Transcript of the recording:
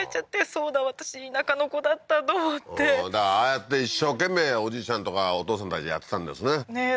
そうだ私田舎の子だったと思ってああやって一生懸命おじいちゃんとかお父さんたちやってたんですねねえ